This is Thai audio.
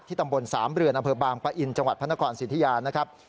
ที่ตำบลสามเรือนอเผิดบางปะอินจังหวัดพนักกรสิทธิยานะครับ